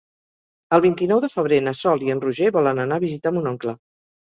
El vint-i-nou de febrer na Sol i en Roger volen anar a visitar mon oncle.